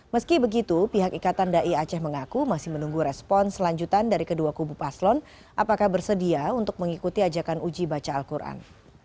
meski begitu pihak ikatan dai aceh mengaku masih menunggu respon selanjutan dari kedua kubu paslon apakah bersedia untuk mengikuti ajakan uji baca al quran